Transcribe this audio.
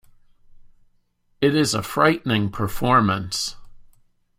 It is a frightening performance.